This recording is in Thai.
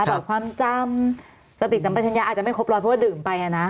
แบบความจำสติสัมปัชญาอาจจะไม่ครบร้อยเพราะว่าดื่มไปนะ